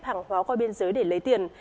hàng hóa qua biên giới để lấy tiền